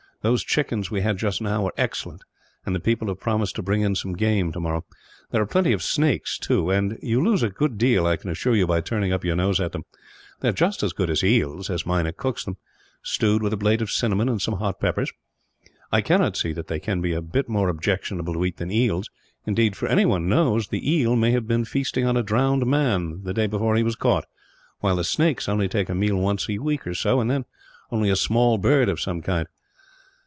Those chickens we had just now were excellent, and the people have promised to bring in some game, tomorrow. There are plenty of snakes, too; and you lose a good deal, I can assure you, by turning up your nose at them. They are just as good as eels, as Meinik cooks them stewed with a blade of cinnamon, and some hot peppers. I cannot see that they can be a bit more objectionable to eat than eels; indeed, for anything one knows, the eel may have been feasting on a drowned man, the day before he was caught; while the snakes only take a meal once a week or so, and then only a small bird of some kind."